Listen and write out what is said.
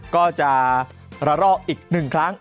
ก็จะระลอกอีก๑ครั้ง